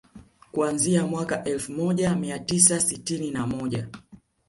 Kuanzia mwaka elfu moja mia tisa sitini na moja